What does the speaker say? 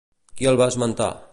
Qui el va esmentar?